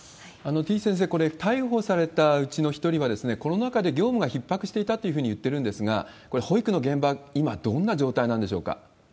てぃ先生、これ、逮捕されたうちの一人は、コロナ禍で業務がひっ迫していたっていうふうに言ってるんですが、これ、保育の現場は今、どんな状態なんでしょうか？